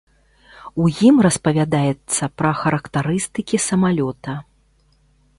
У ім распавядаецца пра характарыстыкі самалёта.